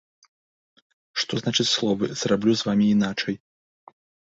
Што значаць словы: «Зраблю з вамі іначай»?